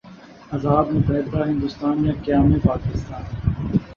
آزاد متحدہ ہندوستان یا قیام پاکستان؟